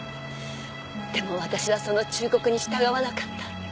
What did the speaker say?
でも私はその忠告に従わなかった。